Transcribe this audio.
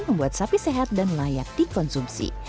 membuat sapi sehat dan layak dikonsumsi